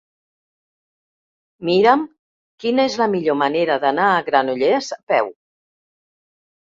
Mira'm quina és la millor manera d'anar a Granollers a peu.